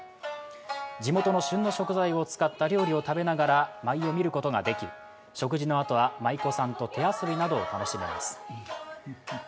地元の旬の食材を使った料理を食べながら舞を見ることができ、食事のあとは舞子さんと手遊びなどを楽しめます。